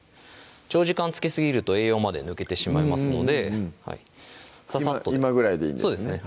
長時間つけすぎると栄養まで抜けてしまいますので今ぐらいでいいんですね